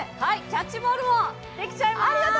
キャッチボールもできちゃいます。